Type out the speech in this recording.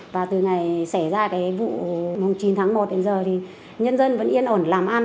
và từ ngày xảy ra cái vụ chín tháng một đến giờ thì nhân dân vẫn yên ổn làm ăn